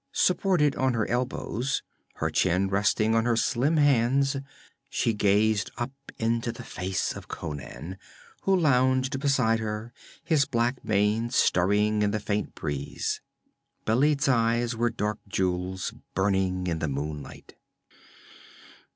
Supported on her elbows, her chin resting on her slim hands, she gazed up into the face of Conan, who lounged beside her, his black mane stirring in the faint breeze. Bêlit's eyes were dark jewels burning in the moonlight.